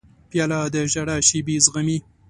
پیاله د ژړا شېبې زغمي.